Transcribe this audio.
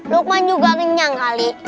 lukman juga kenyang kali